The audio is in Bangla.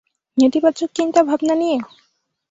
নেতিবাচক চিন্তাভাবনা নিয়ে।